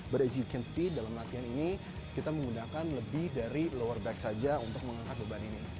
but as you can see dalam latihan ini kita menggunakan lebih dari lower back saja untuk mengangkat beban ini